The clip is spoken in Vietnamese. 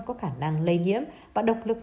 có khả năng lây nhiễm và độc lực